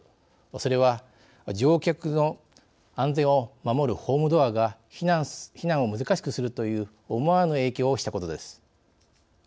それは乗客の安全を守るホームドアが避難を難しくするという思わぬ影響をしたことです。